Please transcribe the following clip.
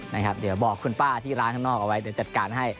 เดี๋ยวบอกคุณป้าที่ร้านข้างนอกเอาไว้เดี๋ยวจัดการให้